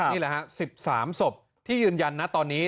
นี่แหละฮะ๑๓ศพที่ยืนยันนะตอนนี้